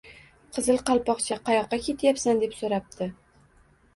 — Qizil Qalpoqcha, qayoqqa ketyapsan? — deb soʻrabdi